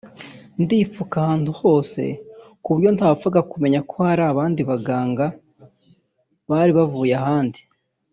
ndipfuka ahantu hose ku buryo ntawapfaga kumenya kuko hari n’abandi baganga bari bavuye ahandi